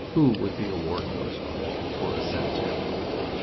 Who would be a war correspondent, or a censor?